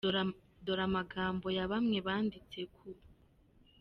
Dore amagambo ya bamwe banditse ku.